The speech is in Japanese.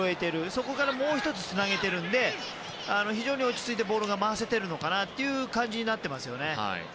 そこからもう１つつなげているので非常に落ち着いてボールが回せているのかなという感じになっています。